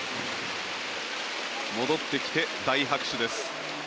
戻ってきて大拍手です。